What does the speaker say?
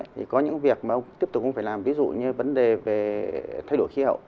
thì có những việc mà ông tiếp tục ông phải làm ví dụ như vấn đề về thay đổi khí hậu